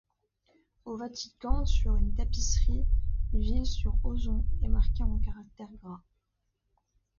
Au Vatican sur une tapisserie, Villes-sur-Auzon est marquée en caractères gras.